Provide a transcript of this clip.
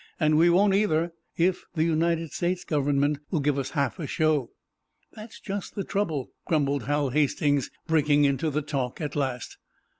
"And we won't either, if the United States Government will give us half a show." "That's just the trouble," grumbled Hal Hastings, breaking into the talk, at last.